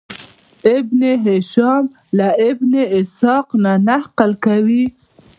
ابن هشام له ابن اسحاق نه نقل کوي.